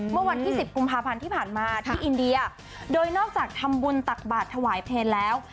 เมื่อวันที่สิบกุมภาพันธ์ที่ผ่านมาที่อินเดียโดยนอกจากทำบุญตักบาทถวายเพลงแล้ว